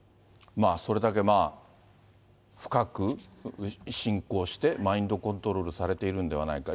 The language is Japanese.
それだけまあ、深く信仰して、マインドコントロールされているんではないか。